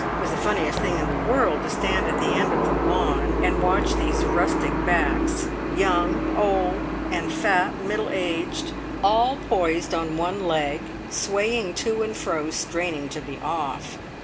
It was the funniest thing in the world to stand at the end of the lawn, and watch these rustic backs young, old, and fat middle aged all poised on one leg, swaying to and fro, straining to be off!